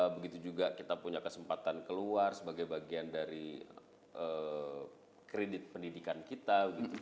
begitu juga kita punya kesempatan keluar sebagai bagian dari kredit pendidikan kita